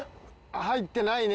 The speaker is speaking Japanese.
入ってないね